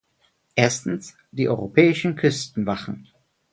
Erstens die europäischen Küstenwachen.